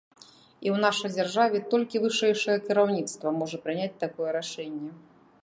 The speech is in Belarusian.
І ў нашай дзяржаве толькі вышэйшае кіраўніцтва можа прыняць такое рашэнне.